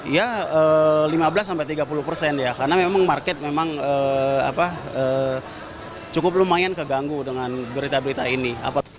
ya lima belas sampai tiga puluh persen ya karena memang market memang cukup lumayan keganggu dengan berita berita ini